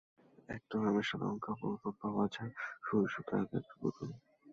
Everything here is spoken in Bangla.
একটি ফ্রেমে সাধারণ কাপড়ের ওপর পাওয়া যায় সুই-সুতোয় আঁকা একটি পুতুল।